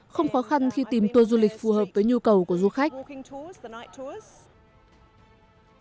không khó khăn khi tìm tour du lịch phù hợp với nhu cầu của du khách